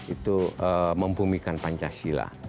itu membumikan pancasila